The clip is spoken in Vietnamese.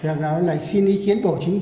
việc nào lại xin ý kiến bộ chính trị